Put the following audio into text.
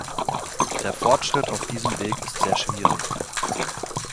Der Fortschritt auf diesem Weg ist sehr schwierig.